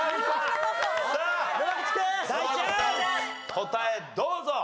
答えどうぞ！